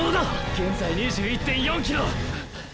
現在２１．４ｋｍ。